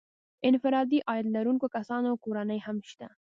د انفرادي عاید لرونکو کسانو کورنۍ هم شته